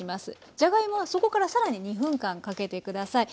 じゃがいもはそこからさらに２分間かけてください。